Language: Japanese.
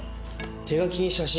手描き写真